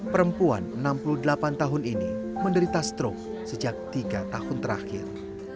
perempuan enam puluh delapan tahun ini menderita strok sejak tiga tahun terakhir